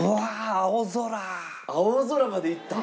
青空までいった？